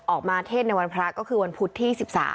มาเทศในวันพระก็คือวันพุธที่๑๓